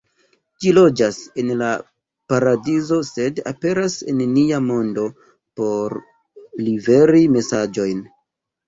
Ĝi loĝas en la paradizo sed aperas en nia mondo por liveri mesaĝojn.